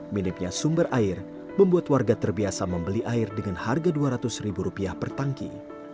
minimnya sumber air membuat warga terbiasa membeli air dengan harga dua ratus ribu rupiah per tangki